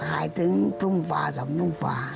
ขายถึงทุ่มปลา๒ทุ่มปลา